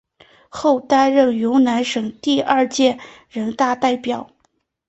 后担任云南省第二届人大代表。